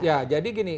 ya jadi gini